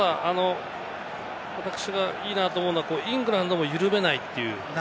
私がいいなと思うのは、イングランドも緩めないという。